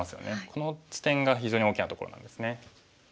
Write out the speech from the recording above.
この地点が非常に大きなところなんですね。